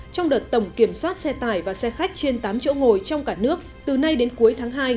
trong đợt tổng kiểm soát xe tải và xe khách trên tám chỗ ngồi trong cả nước từ nay đến cuối tháng hai